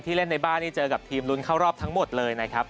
เล่นในบ้านนี่เจอกับทีมลุ้นเข้ารอบทั้งหมดเลยนะครับ